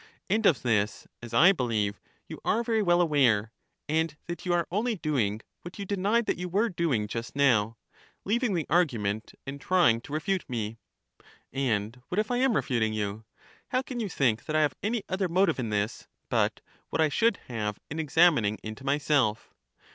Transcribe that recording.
And of this, as I believe, you are very well aware; and that you are only doing what you denied that you were doing just now, leaving the argimaent and trying to refute me. And what if I am refuting you? How can you think that I have any other motive in this but what I should have in examining into myself?